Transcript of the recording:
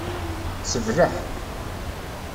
Sebleḥ.